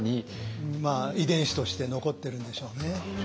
遺伝子として残ってるんでしょうね。